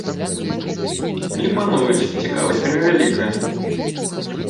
Тэлефануюць, цікавасць вельмі вялікая.